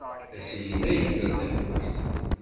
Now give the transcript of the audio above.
Asigna yeffer tafukt.